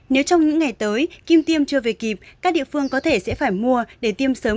nếu trong những ngày tới kim tiêm chưa về kịp các địa phương có thể sẽ phải mua để tiêm sớm